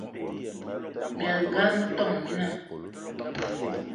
Mas gan, metόn mina